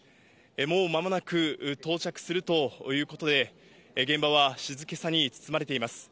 もうまもなく、到着するということで、現場は静けさに包まれています。